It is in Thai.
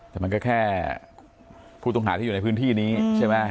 แต่มันก็แค่ผู้ต้องหาที่อยู่ในพื้นที่นี้ใช่ไหม